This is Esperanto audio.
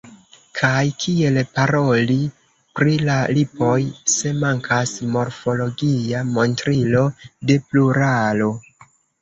Kaj kiel paroli pri la lipoJ, se mankas morfologia montrilo de pluralo!